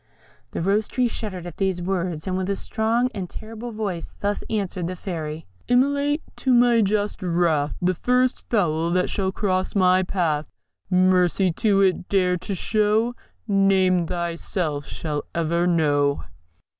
The Rose tree shuddered at these words, and with a strong and terrible voice thus answered the Fairy: Immolate to my just wrath The first fowl that shall cross thy path. Mercy to it dare to show None thyself shall ever know!